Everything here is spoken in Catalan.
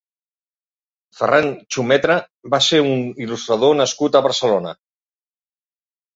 Ferrán Xumetra va ser un il·lustrador nascut a Barcelona.